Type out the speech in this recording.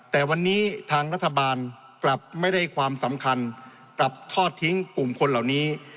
แต่วันนี้ทางรัฐบาลกลับไม่ได้ความสำคัญกับทอดทิ้งกลุ่มคนเหล่านี้